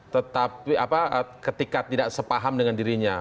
tetapi ketika tidak sepaham dengan dirinya